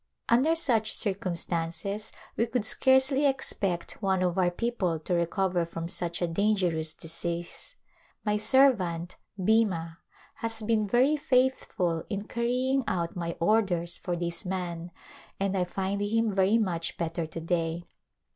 Under such circumstances we could scarcely expect one of our people to recover from such a dangerous disease. Mv servant, Bhima, has been ver)' faithful in carrying out mv orders for this man and I find him very much better to day.